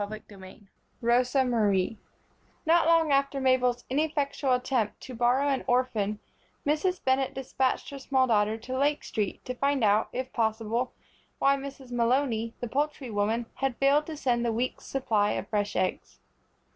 CHAPTER II Rosa Marie NOT long after Mabel's ineffectual attempt to borrow an orphan Mrs. Bennett dispatched her small daughter to Lake Street to find out, if possible, why Mrs. Malony, the poultry woman, had failed to send the week's supply of fresh eggs.